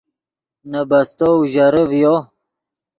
نے بستو اوژرے ڤیو